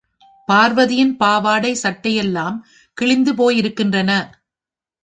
பார்வதியின் பாவாடை சட்டையெல்லாம் கிழிந்து போயிருக்கின்றன.